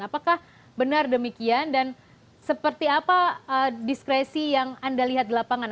apakah benar demikian dan seperti apa diskresi yang anda lihat di lapangan